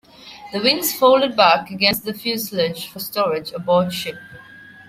The wings folded back against the fuselage for storage aboard ship.